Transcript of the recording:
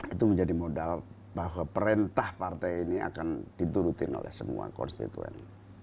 itu menjadi modal bahwa perintah partai ini akan diturutin oleh semua konstituen